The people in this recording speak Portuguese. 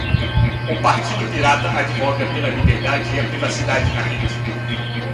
O Partido Pirata advoga pela liberdade e privacidade na rede